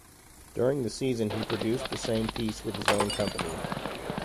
During the season he produced the same piece with his own company.